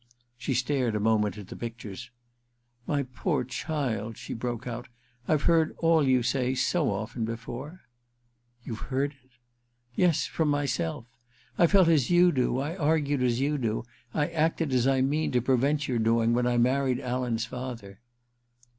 She stared a moment at the pictures. * My poor child,' she broke out, * I've heard all you say so often before !You've heard it ?'* Yes — from myself. I felt as you do, I argued as you do, I acted as I mean to prevent your doing, when I married Alan's father.'